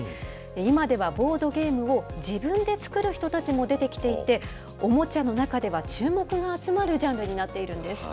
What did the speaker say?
今では、ボードゲームを自分で作る人たちも出てきていて、おもちゃの中では注目が集まるジャンルになっているんです。